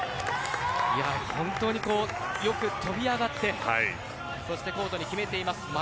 本当によく跳び上がってコートに決めています。